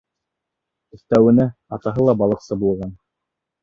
Өҫтәүенә, атаһы ла балыҡсы булған...